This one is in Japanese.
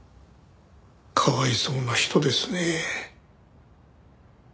かわいそうな人ですね。